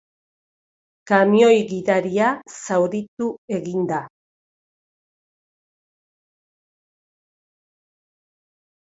Kamioi gidaria zauritu egin da.